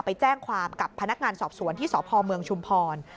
ไปแจ้งความกับพนักงานสอบสวนที่สพเมืองชุมพร